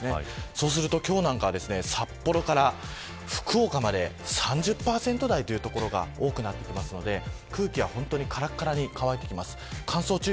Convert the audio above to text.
そうすると、今日は札幌から福岡まで３０％台という所が多くなっていますので空気は本当に、からからに変わってきます。